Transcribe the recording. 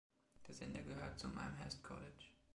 Der Sender gehört zum Amherst College.